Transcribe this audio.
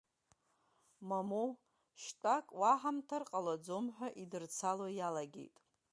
Моумоу, шьтәак уаҳамҭар ҟалаӡом, ҳәа идырцало иалагеит.